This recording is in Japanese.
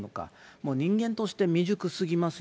もう人間として未熟すぎますよ。